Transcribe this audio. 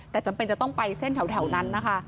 แต่จำเป็นจะต้องไปเส้นแถวนั้นนะคะ